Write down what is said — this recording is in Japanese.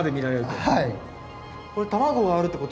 はい。